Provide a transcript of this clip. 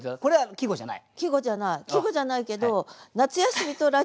季語じゃない。